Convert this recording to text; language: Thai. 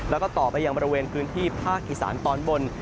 แล้วก็ต่อไปยังบริเวณพื้นที่ภาคอีสานตอนบน